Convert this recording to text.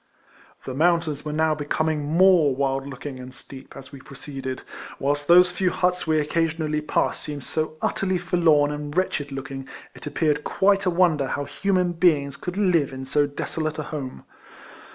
The mountains were now becoming more RIFLEMAN HARRIS. 183 wild looking and steep, as we proceeded; whilst those few huts we occasionally passed seemed so utterly forlorn and wretched looking, it appeared quite a wonder how human beings could live in so desolate a home.